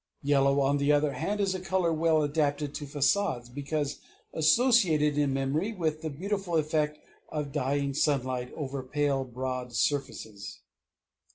Yellow, on the other hand, is a color well adapted to façades, because associated in memory with the beautiful effect of dying sunlight over pale broad surfaces.